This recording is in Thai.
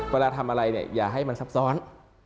เวลาทำอะไรเนี่ยอย่าให้มันซับซ้อน